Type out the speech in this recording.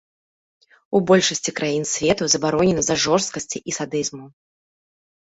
У большасці краін свету забаронена з-за жорсткасці і садызму.